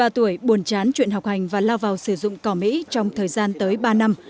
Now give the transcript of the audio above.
ba mươi tuổi buồn chán chuyện học hành và lao vào sử dụng cỏ mỹ trong thời gian tới ba năm